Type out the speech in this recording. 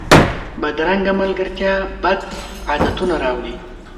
بدرنګه ملګرتیا بد عادتونه راوړي